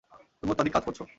তুমি অত্যাধিক কাজ করছ।